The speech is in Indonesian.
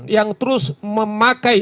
yang terus memakai